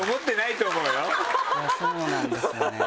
「あっそうなんですよね」。